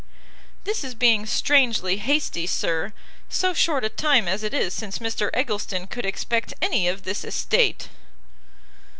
"This is being strangely hasty, Sir! so short a time as it is since Mr Eggleston could expect any of this estate!"